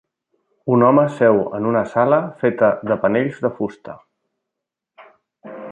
Un home seu en una sala feta de panells de fusta.